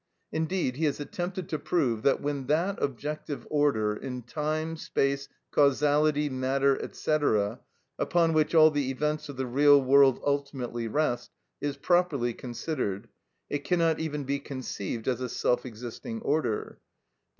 Indeed he has attempted to prove that when that objective order in time, space, causality, matter, &c., upon which all the events of the real world ultimately rest, is properly considered, it cannot even be conceived as a self existing order, _i.